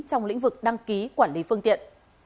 trong lĩnh vực đăng ký quản lý phương tiện